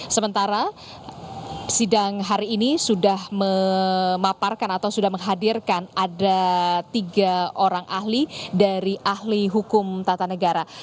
sementara sidang hari ini sudah memaparkan atau sudah menghadirkan ada tiga orang ahli dari ahli hukum tata negara